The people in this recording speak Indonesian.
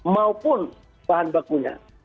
maupun pahan bakunya